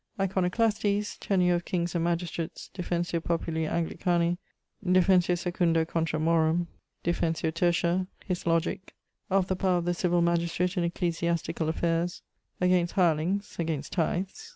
Iconoclastes. Tenure of Kings and Magistrates. Defensio populi Anglicani. Defensio 2ᵈᵃ contra Morum. Defensio 3ᵗⁱᵃ. His Logick. Of the powr of the civil magistrate in ecclesiastical affairs. Against Hirelings (against Tythes).